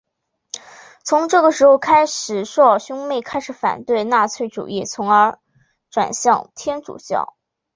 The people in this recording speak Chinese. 从这个时候开始朔尔兄妹开始反对纳粹主义而转向天主教。